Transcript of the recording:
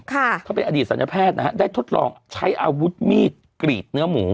เขาเป็นอดีตศัลยแพทย์นะฮะได้ทดลองใช้อาวุธมีดกรีดเนื้อหมู